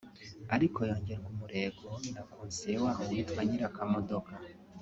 ariko yongerwa umurego na Konseye waho witwa Nyirakamodoka